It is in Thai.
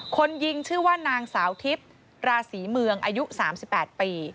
คนยิงชื่อว่านางสาวทิพย์ราศีเมืองอายุ๓๘ปี